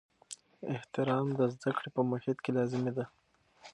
احترام د زده کړې په محیط کې لازمي دی.